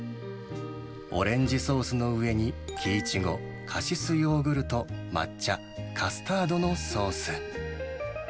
オレンジソースの上に、キイチゴ、カシスヨーグルト、抹茶、カスタードのソース。